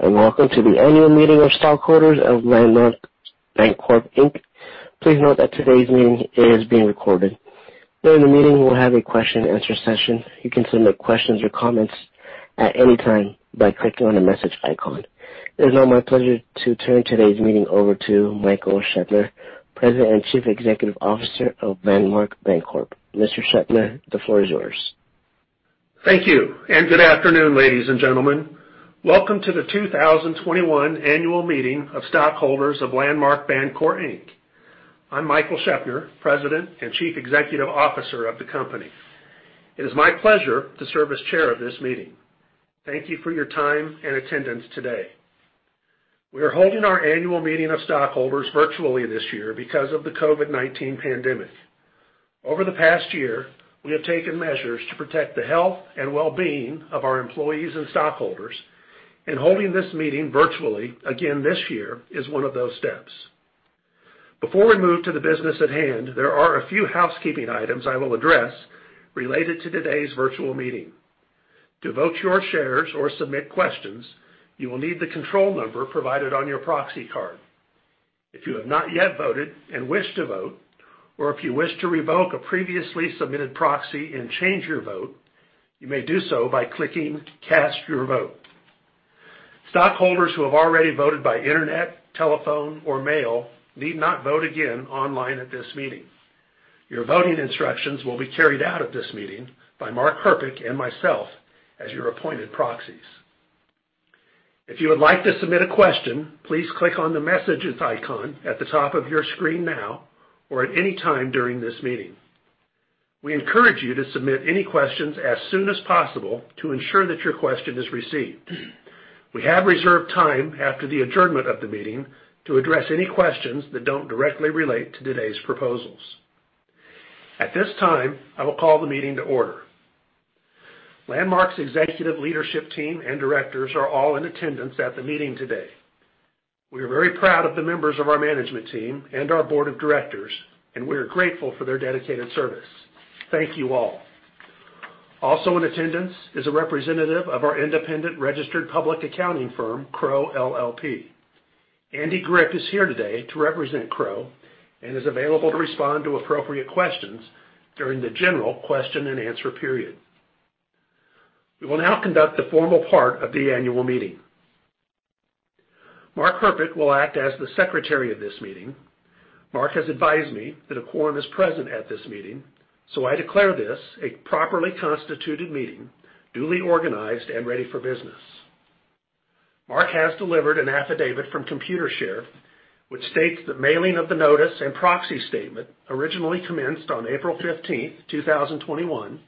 Hello, welcome to the Annual Meeting of Stockholders of Landmark Bancorp, Inc. Please note that today's meeting is being recorded. During the meeting, we'll have a question-and-answer session. You can submit questions or comments at any time by clicking on the message icon. It is now my pleasure to turn today's meeting over to Michael Scheopner, President and Chief Executive Officer of Landmark Bancorp. Mr. Scheopner, the floor is yours. Thank you. Good afternoon, ladies and gentlemen. Welcome to the 2021 annual meeting of stockholders of Landmark Bancorp, Inc. I'm Michael Scheopner, President and Chief Executive Officer of the company. It is my pleasure to serve as chair of this meeting. Thank you for your time and attendance today. We are holding our annual meeting of stockholders virtually this year because of the COVID-19 pandemic. Over the past year, we have taken measures to protect the health and well-being of our employees and stockholders, and holding this meeting virtually again this year is one of those steps. Before we move to the business at hand, there are a few housekeeping items I will address related to today's virtual meeting. To vote your shares or submit questions, you will need the control number provided on your proxy card. If you have not yet voted and wish to vote, or if you wish to revoke a previously submitted proxy and change your vote, you may do so by clicking cast your vote. Stockholders who have already voted by internet, telephone, or mail need not vote again online at this meeting. Your voting instructions will be carried out at this meeting by Mark Herpich and myself as your appointed proxies. If you would like to submit a question, please click on the messages icon at the top of your screen now or at any time during this meeting. We encourage you to submit any questions as soon as possible to ensure that your question is received. We have reserved time after the adjournment of the meeting to address any questions that don't directly relate to today's proposals. At this time, I will call the meeting to order. Landmark's executive leadership team and directors are all in attendance at the meeting today. We are very proud of the members of our management team and our board of directors, and we are grateful for their dedicated service. Thank you all. Also in attendance is a representative of our independent registered public accounting firm, Crowe LLP. Andy Gripp is here today to represent Crowe and is available to respond to appropriate questions during the general question-and-answer period. We will now conduct the formal part of the annual meeting. Mark Herpich will act as the secretary of this meeting. Mark has advised me that a quorum is present at this meeting, so I declare this a properly constituted meeting, duly organized and ready for business. Mark has delivered an affidavit from Computershare, which states the mailing of the notice and proxy statement originally commenced on April 15th, 2021,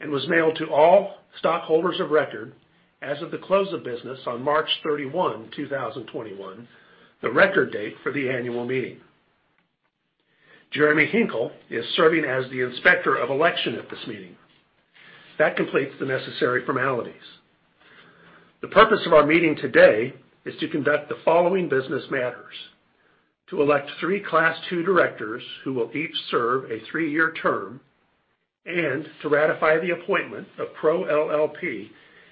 and was mailed to all stockholders of record as of the close of business on March 31st, 2021, the record date for the annual meeting. Jeremy Hinkle is serving as the Inspector of Election at this meeting. That completes the necessary formalities. The purpose of our meeting today is to conduct the following business matters, to elect three Class 2 Directors who will each serve a three-year term, and to ratify the appointment of Crowe LLP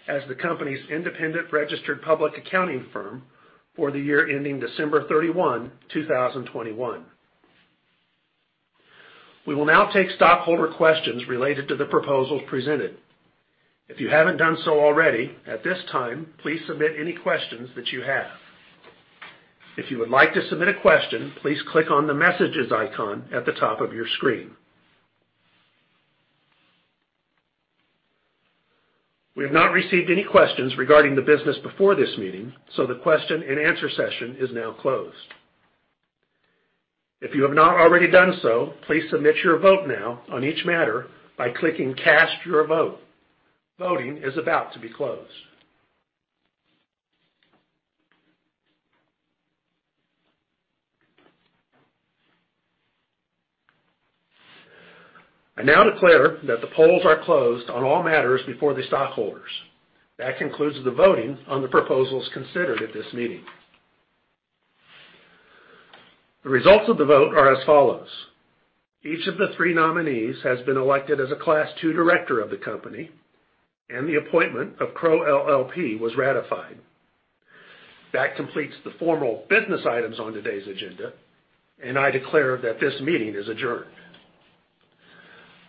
as the company's independent registered public accounting firm for the year ending December 31st, 2021. We will now take stockholder questions related to the proposals presented. If you haven't done so already, at this time, please submit any questions that you have. If you would like to submit a question, please click on the messages icon at the top of your screen. We have not received any questions regarding the business before this meeting, so the question-and-answer session is now closed. If you have not already done so, please submit your vote now on each matter by clicking cast your vote. Voting is about to be closed. I now declare that the polls are closed on all matters before the stockholders. That concludes the voting on the proposals considered at this meeting. The results of the vote are as follows. Each of the three nominees has been elected as a Class 2 Director of the company, and the appointment of Crowe LLP was ratified. That completes the formal business items on today's agenda, and I declare that this meeting is adjourned.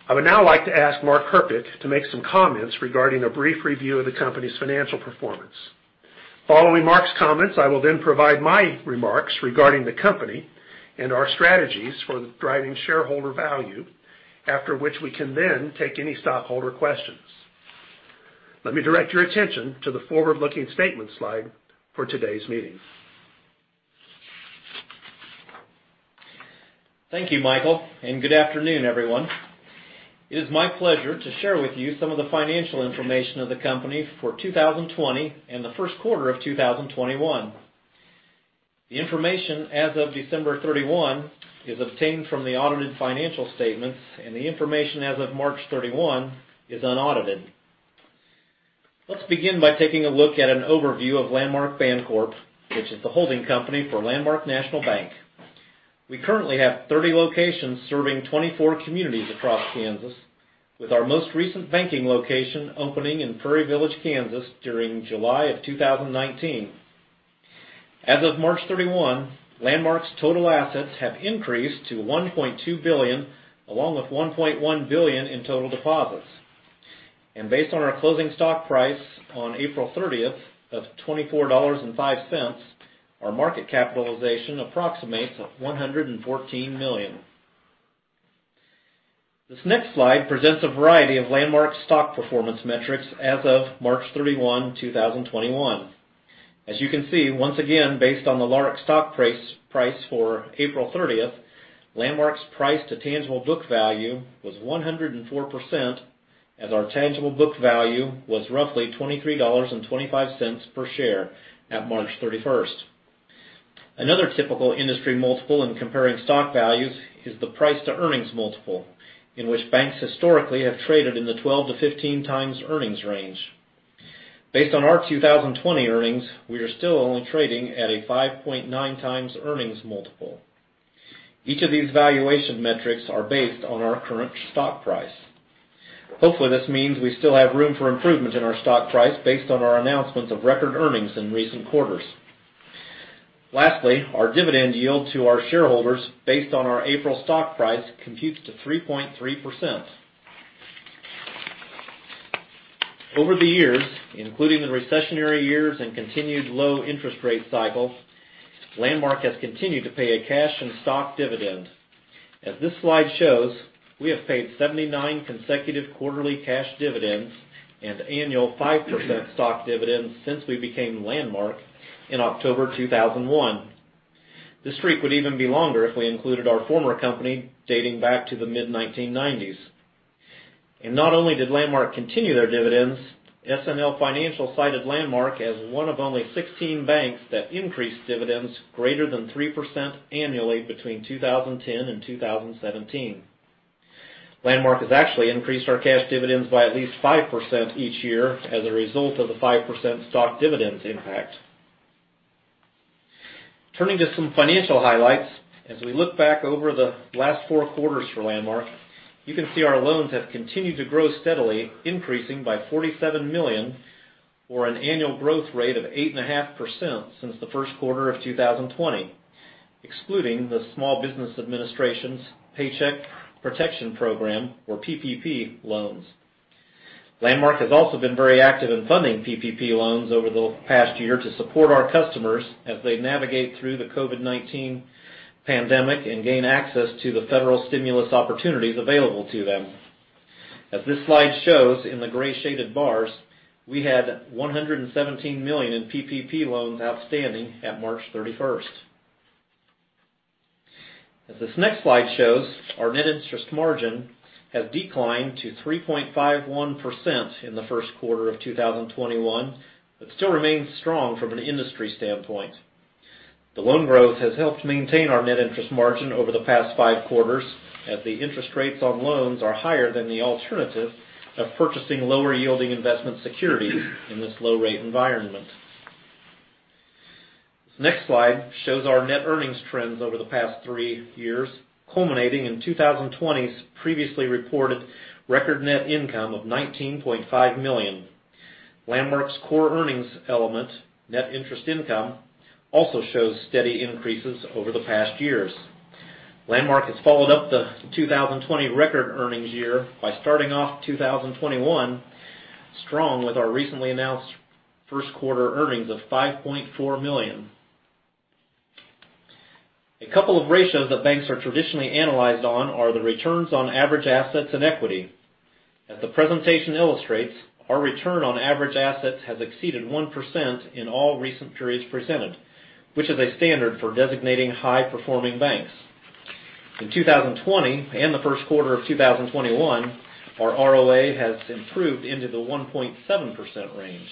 I would now like to ask Mark Herpich to make some comments regarding a brief review of the company's financial performance. Following Mark's comments, I will then provide my remarks regarding the company and our strategies for driving shareholder value, after which we can then take any stockholder questions. Let me direct your attention to the forward-looking statement slide for today's meeting. Thank you, Michael, and good afternoon, everyone. It is my pleasure to share with you some of the financial information of the company for 2020 and the first quarter of 2021. The information as of December 31st is obtained from the audited financial statements, and the information as of March 31st is unaudited. Let's begin by taking a look at an overview of Landmark Bancorp, which is the holding company for Landmark National Bank. We currently have 30 locations serving 24 communities across Kansas, with our most recent banking location opening in Prairie Village, Kansas during July of 2019. As of March 31st, Landmark's total assets have increased to $1.2 billion, along with $1.1 billion in total deposits. Based on our closing stock price on April 30th of $24.05, our market capitalization approximates $114 million. This next slide presents a variety of Landmark stock performance metrics as of March 31st, 2021. As you can see, once again, based on the Landmark stock price for April 30th, Landmark's price to tangible book value was 104%, as our tangible book value was roughly $23.25 per share at March 31st. Another typical industry multiple in comparing stock values is the price to earnings multiple, in which banks historically have traded in the 12-15 times earnings range. Based on our 2020 earnings, we are still only trading at a 5.9 times earnings multiple. Each of these valuation metrics are based on our current stock price. Hopefully, this means we still have room for improvement in our stock price based on our announcements of record earnings in recent quarters. Lastly, our dividend yield to our shareholders based on our April stock price computes to 3.3%. Over the years, including the recessionary years and continued low interest rate cycles, Landmark has continued to pay a cash and stock dividend. As this slide shows, we have paid 79 consecutive quarterly cash dividends and annual 5% stock dividends since we became Landmark in October 2001. The streak would even be longer if we included our former company dating back to the mid-1990s. Not only did Landmark continue their dividends, SNL Financial cited Landmark as one of only 16 banks that increased dividends greater than 3% annually between 2010 and 2017. Landmark has actually increased our cash dividends by at least 5% each year as a result of the 5% stock dividends impact. Turning to some financial highlights, as we look back over the last four quarters for Landmark, you can see our loans have continued to grow steadily, increasing by $47 million or an annual growth rate of 8.5% since the first quarter of 2020, excluding the Small Business Administration's Paycheck Protection Program, or PPP, loans. Landmark has also been very active in funding PPP loans over the past year to support our customers as they navigate through the COVID-19 pandemic and gain access to the federal stimulus opportunities available to them. As this slide shows in the gray shaded bars, we had $117 million in PPP loans outstanding at March 31st. As this next slide shows, our net interest margin has declined to 3.51% in the first quarter of 2021, but still remains strong from an industry standpoint. The loan growth has helped maintain our net interest margin over the past five quarters, as the interest rates on loans are higher than the alternative of purchasing lower yielding investment security in this low rate environment. This next slide shows our net earnings trends over the past three years, culminating in 2020's previously recorded record net income of $19.5 million. Landmark's core earnings element, net interest income, also shows steady increases over the past years. Landmark has followed up the 2020 record earnings year by starting off 2021 strong with our recently announced first quarter earnings of $5.4 million. A couple of ratios that banks are traditionally analyzed on are the returns on average assets and equity. As the presentation illustrates, our return on average assets has exceeded 1% in all recent periods presented, which is a standard for designating high performing banks. In 2020 and the first quarter of 2021, our ROA has improved into the 1.7% range.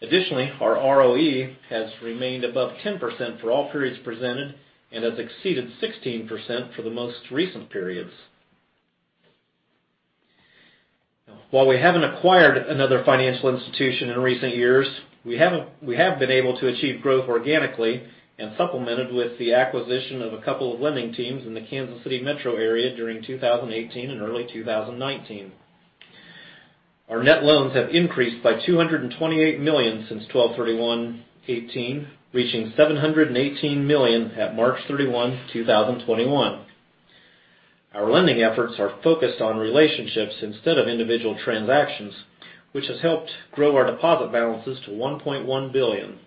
Additionally, our ROE has remained above 10% for all periods presented and has exceeded 16% for the most recent periods. While we haven't acquired another financial institution in recent years, we have been able to achieve growth organically and supplemented with the acquisition of a couple of lending teams in the Kansas City metro area during 2018 and early 2019. Our net loans have increased by $228 million since 12/31/2018, reaching $718 million at March 31st, 2021. Our lending efforts are focused on relationships instead of individual transactions, which has helped grow our deposit balances to $1.1 billion.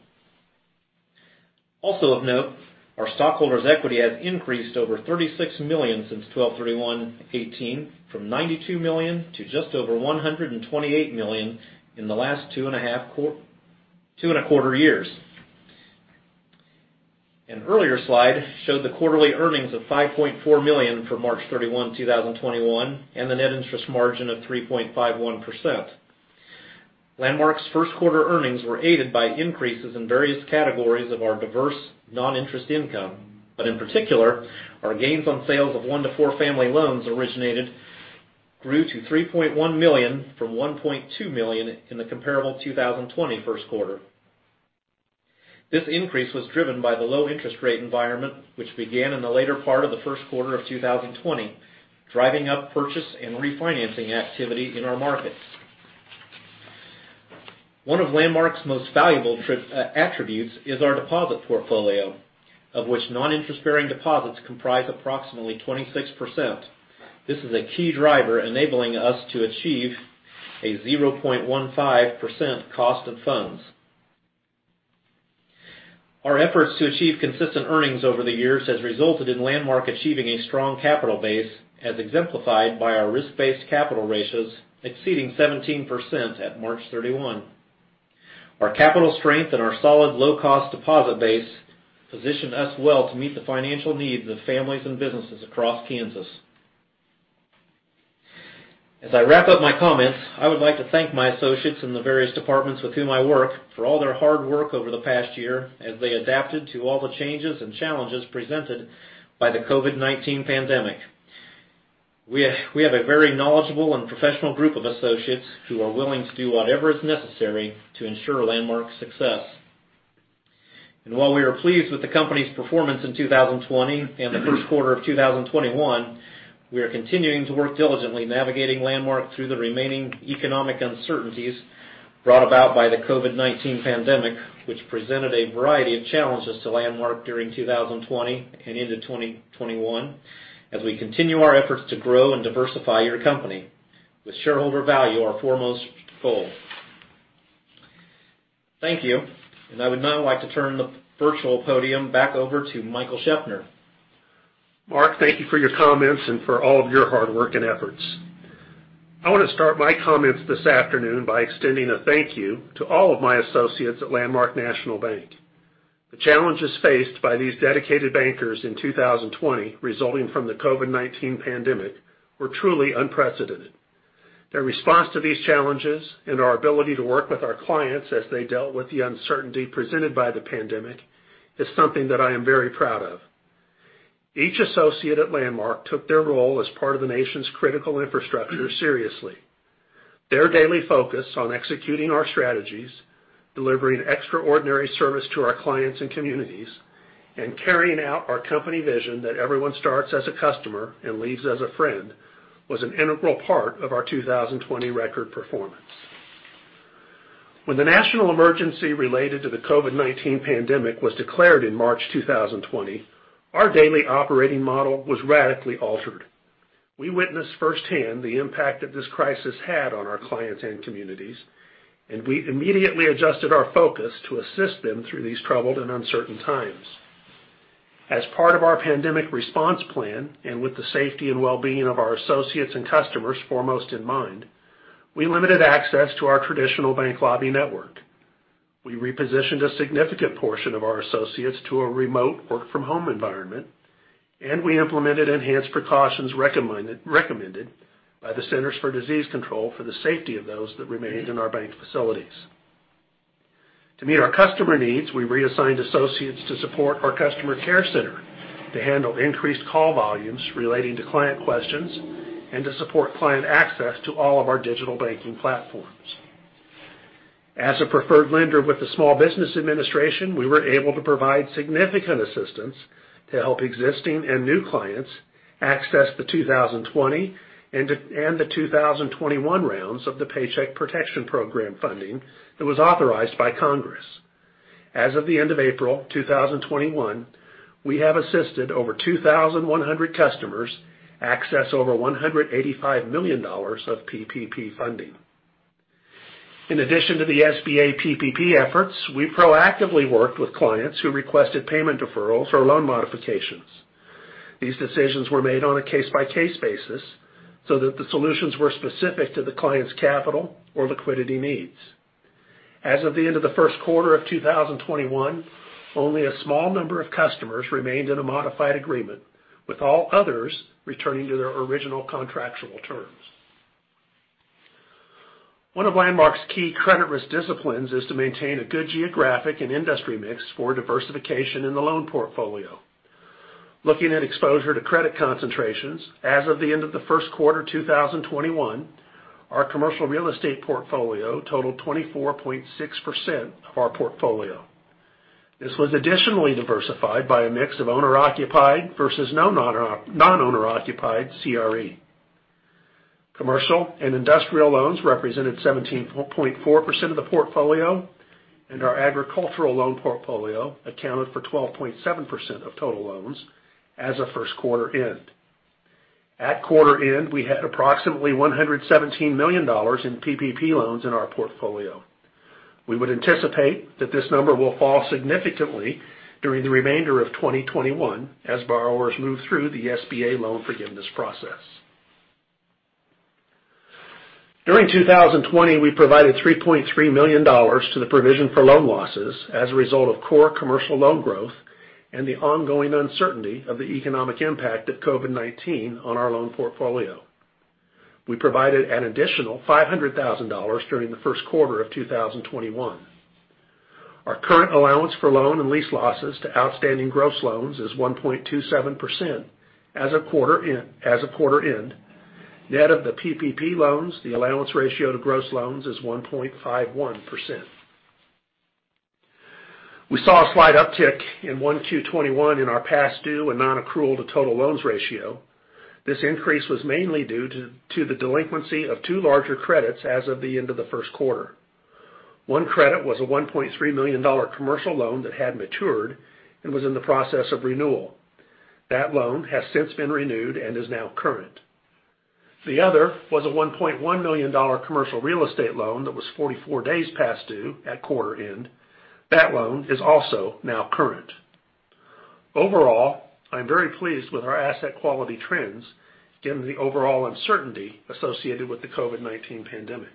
Also of note, our stockholders' equity has increased over $36 million since 12/31/2018 from $92 million to just over $128 million in the last 2.25 years. An earlier slide showed the quarterly earnings of $5.4 million for March 31st, 2021, and the net interest margin of 3.51%. Landmark's first quarter earnings were aided by increases in various categories of our diverse non-interest income. In particular, our gains on sales of one to four family loans originated grew to $3.1 million from $1.2 million in the comparable 2020 first quarter. This increase was driven by the low interest rate environment, which began in the later part of the first quarter of 2020, driving up purchase and refinancing activity in our markets. One of Landmark's most valuable attributes is our deposit portfolio, of which non-interest-bearing deposits comprise approximately 26%. This is a key driver enabling us to achieve a 0.15% cost of funds. Our efforts to achieve consistent earnings over the years has resulted in Landmark achieving a strong capital base, as exemplified by our risk-based capital ratios exceeding 17% at March 31st. Our capital strength and our solid low-cost deposit base position us well to meet the financial needs of families and businesses across Kansas. As I wrap up my comments, I would like to thank my associates in the various departments with whom I work for all their hard work over the past year, as they adapted to all the changes and challenges presented by the COVID-19 pandemic. We have a very knowledgeable and professional group of associates who are willing to do whatever is necessary to ensure Landmark's success. While we are pleased with the company's performance in 2020 and the first quarter of 2021, we are continuing to work diligently navigating Landmark through the remaining economic uncertainties brought about by the COVID-19 pandemic, which presented a variety of challenges to Landmark during 2020 and into 2021, as we continue our efforts to grow and diversify your company, with shareholder value our foremost goal. Thank you, and I would now like to turn the virtual podium back over to Michael Scheopner. Mark, thank you for your comments and for all of your hard work and efforts. I want to start my comments this afternoon by extending a thank you to all of my associates at Landmark National Bank. The challenges faced by these dedicated bankers in 2020 resulting from the COVID-19 pandemic were truly unprecedented. Their response to these challenges and our ability to work with our clients as they dealt with the uncertainty presented by the pandemic is something that I am very proud of. Each associate at Landmark took their role as part of the nation's critical infrastructure seriously. Their daily focus on executing our strategies, delivering extraordinary service to our clients and communities, and carrying out our company vision that everyone starts as a customer and leaves as a friend, was an integral part of our 2020 record performance. When the national emergency related to the COVID-19 pandemic was declared in March 2020, our daily operating model was radically altered. We witnessed firsthand the impact that this crisis had on our clients and communities, and we immediately adjusted our focus to assist them through these troubled and uncertain times. As part of our pandemic response plan, and with the safety and well-being of our associates and customers foremost in mind, we limited access to our traditional bank lobby network. We repositioned a significant portion of our associates to a remote work from home environment, and we implemented enhanced precautions recommended by the Centers for Disease Control for the safety of those that remained in our bank facilities. To meet our customer needs, we reassigned associates to support our customer care center to handle increased call volumes relating to client questions and to support client access to all of our digital banking platforms. As a preferred lender with the Small Business Administration, we were able to provide significant assistance to help existing and new clients access the 2020 and the 2021 rounds of the Paycheck Protection Program funding that was authorized by Congress. As of the end of April 2021, we have assisted over 2,100 customers access over $185 million of PPP funding. In addition to the SBA PPP efforts, we proactively worked with clients who requested payment deferrals or loan modifications. These decisions were made on a case-by-case basis so that the solutions were specific to the client's capital or liquidity needs. As of the end of the first quarter of 2021, only a small number of customers remained in a modified agreement, with all others returning to their original contractual terms. One of Landmark's key credit risk disciplines is to maintain a good geographic and industry mix for diversification in the loan portfolio. Looking at exposure to credit concentrations, as of the end of the first quarter 2021, our commercial real estate portfolio totaled 24.6% of our portfolio. This was additionally diversified by a mix of owner-occupied versus non-owner occupied CRE. Commercial and industrial loans represented 17.4% of the portfolio, and our agricultural loan portfolio accounted for 12.7% of total loans as of first quarter end. At quarter end, we had approximately $117 million in PPP loans in our portfolio. We would anticipate that this number will fall significantly during the remainder of 2021 as borrowers move through the SBA loan forgiveness process. During 2020, we provided $3.3 million to the provision for loan losses as a result of core commercial loan growth and the ongoing uncertainty of the economic impact of COVID-19 on our loan portfolio. We provided an additional $500,000 during the first quarter of 2021. Our current allowance for loan and lease losses to outstanding gross loans is 1.27% as of quarter end. Net of the PPP loans, the allowance ratio to gross loans is 1.51%. We saw a slight uptick in 1Q 2021 in our past due and non-accrual to total loans ratio. This increase was mainly due to the delinquency of two larger credits as of the end of the first quarter. One credit was a $1.3 million commercial loan that had matured and was in the process of renewal. That loan has since been renewed and is now current. The other was a $1.1 million commercial real estate loan that was 44 days past due at quarter end. That loan is also now current. Overall, I'm very pleased with our asset quality trends given the overall uncertainty associated with the COVID-19 pandemic.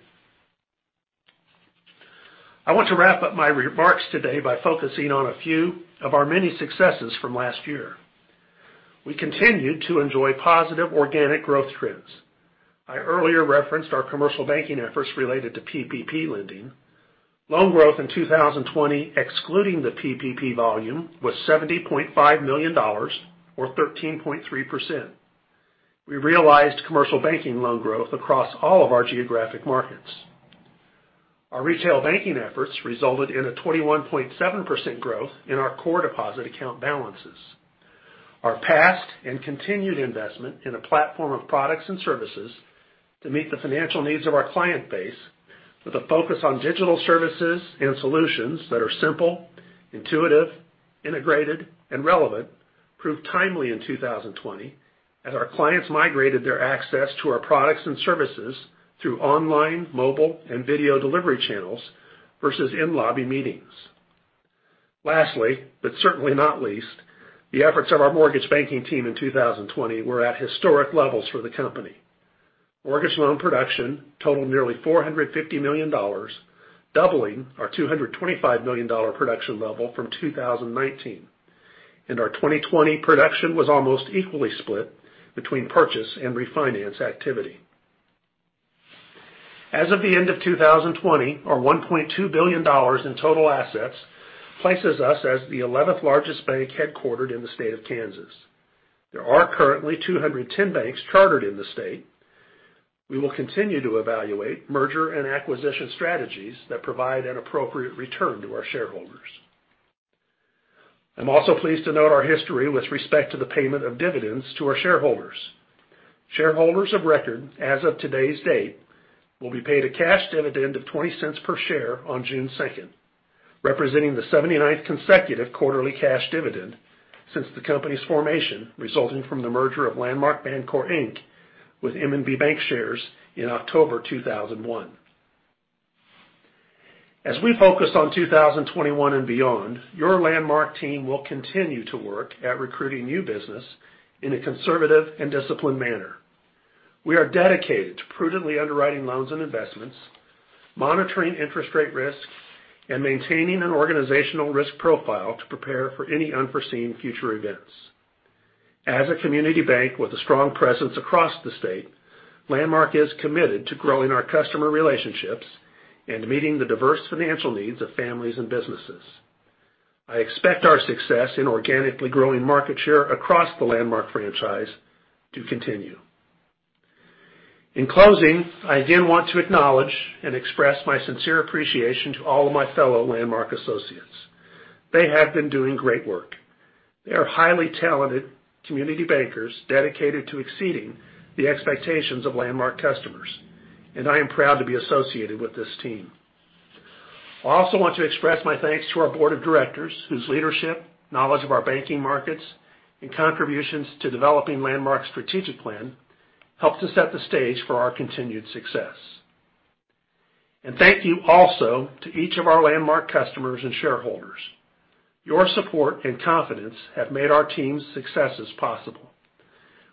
I want to wrap up my remarks today by focusing on a few of our many successes from last year. We continued to enjoy positive organic growth trends. I earlier referenced our commercial banking efforts related to PPP lending. Loan growth in 2020, excluding the PPP volume, was $70.5 million, or 13.3%. We realized commercial banking loan growth across all of our geographic markets. Our retail banking efforts resulted in a 21.7% growth in our core deposit account balances. Our past and continued investment in a platform of products and services to meet the financial needs of our client base with a focus on digital services and solutions that are simple, intuitive, integrated, and relevant proved timely in 2020 as our clients migrated their access to our products and services through online, mobile, and video delivery channels versus in-lobby meetings. Lastly, but certainly not least, the efforts of our mortgage banking team in 2020 were at historic levels for the company. Mortgage loan production totaled nearly $450 million, doubling our $225 million production level from 2019. Our 2020 production was almost equally split between purchase and refinance activity. As of the end of 2020, our $1.2 billion in total assets places us as the 11th largest bank headquartered in the state of Kansas. There are currently 210 banks chartered in the state. We will continue to evaluate merger and acquisition strategies that provide an appropriate return to our shareholders. I'm also pleased to note our history with respect to the payment of dividends to our shareholders. Shareholders of record as of today's date will be paid a cash dividend of $0.20 per share on June 2nd, representing the 79th consecutive quarterly cash dividend since the company's formation resulting from the merger of Landmark Bancorp, Inc. with MNB Bancshares in October 2001. As we focus on 2021 and beyond, your Landmark team will continue to work at recruiting new business in a conservative and disciplined manner. We are dedicated to prudently underwriting loans and investments, monitoring interest rate risk, and maintaining an organizational risk profile to prepare for any unforeseen future events. As a community bank with a strong presence across the state, Landmark is committed to growing our customer relationships and meeting the diverse financial needs of families and businesses. I expect our success in organically growing market share across the Landmark franchise to continue. In closing, I again want to acknowledge and express my sincere appreciation to all of my fellow Landmark associates. They have been doing great work. They are highly talented community bankers dedicated to exceeding the expectations of Landmark customers, and I am proud to be associated with this team. Thank you also to each of our Landmark customers and shareholders. Your support and confidence have made our team's successes possible.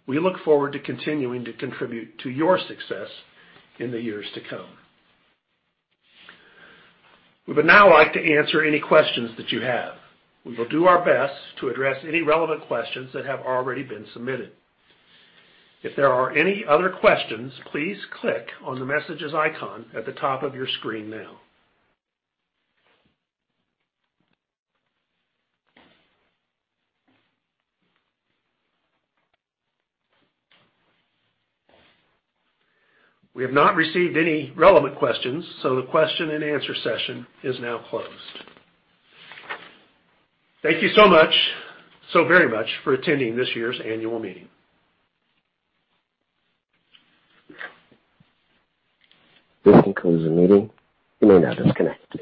We look forward to continuing to contribute to your success in the years to come. We would now like to answer any questions that you have. We will do our best to address any relevant questions that have already been submitted. If there are any other questions, please click on the messages icon at the top of your screen now. We have not received any relevant questions, so the question-and-answer session is now closed. Thank you so very much for attending this year's annual meeting. This concludes the meeting. You may now disconnect.